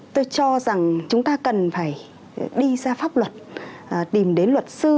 tôi cho rằng chúng ta cần phải đi ra pháp luật tìm đến luật sư